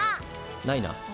ないな。